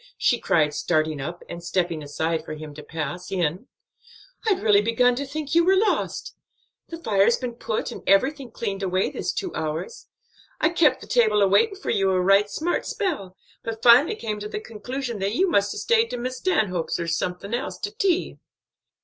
she cried, starting up, and stepping aside for him to pass in. "I'd really begun to think you was lost. The fire's been put and everything cleaned away this two hours. I kep' the table a waitin' for you a right smart spell, but finally come to the conclusion that you must 'a' stayed to Miss Stanhope's or someone else, to tea."